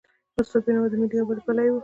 استاد بینوا د ملي یووالي پلوی و.